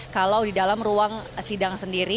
kalau di dalam ruang sidang sendiri